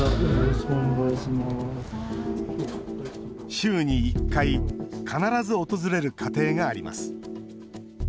週に１回必ず訪れる家庭があります。